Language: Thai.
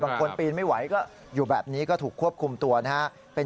ปีนไม่ไหวก็อยู่แบบนี้ก็ถูกควบคุมตัวนะฮะ